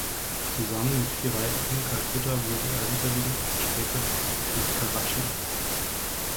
Zusammen mit vier weiteren Calcutta wurde er überwiegend auf der Strecke nach Karatschi eingesetzt.